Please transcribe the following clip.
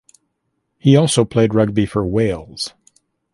He also played rugby for Wales.